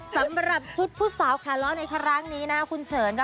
สำหรับชุดผู้สาวคาร่อในคารั้งนี้นะครูเฉิน